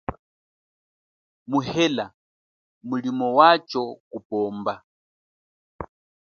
Muhela mulimo wacho kupomba.